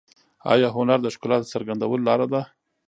آیا هنر د ښکلا د څرګندولو لاره ده؟